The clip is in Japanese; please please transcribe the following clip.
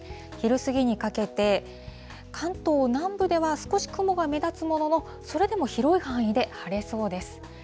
昼過ぎにかけて、関東南部では少し雲が目立つものの、それでも広い範囲で晴れそうです。